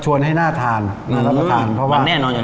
ชวนให้น่าทานน่ารับทราบ์ธรรมเพราะว่าอ่ามันแน่นอนแสดงครับ